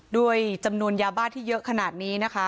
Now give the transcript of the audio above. ด้วยจำนวนยาบ้าที่เยอะขนาดนี้นะคะ